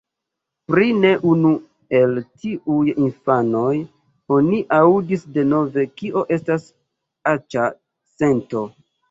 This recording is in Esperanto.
Pri ne unu el tiuj infanoj oni aŭdis denove, kio estas aĉa sento.